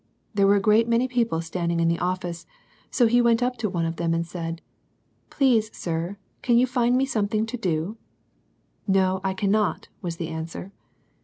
There were a great many people standing in the office, so he went up to one of them and said, "Please, sir, can you find me something to do?" " No : I cannot," was the answer.